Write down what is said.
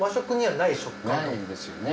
ないですよね。